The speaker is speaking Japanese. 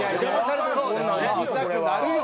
行きたくなるよ